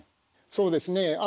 そうですね。